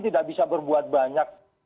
tidak bisa berbuat banyak